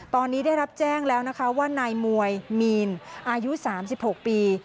ตอนนี้ได้รับแจ้งแล้วนะคะว่านายมวยมีนอายุ๓๖ปี